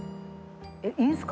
えっいいんすか？